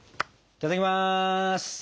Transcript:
いただきます。